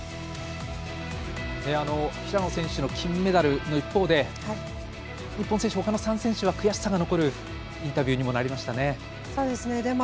平野選手の金メダルの一方で日本選手、ほかの３選手は悔しさが残るインタビューにもなりましたね。